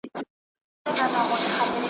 زه د عطر په څېر خپور سم ته مي نه سې بویولای .